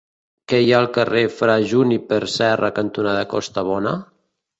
Què hi ha al carrer Fra Juníper Serra cantonada Costabona?